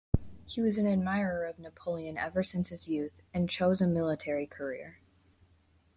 He was an admirer of Napoleon ever since his youth and chose a military career.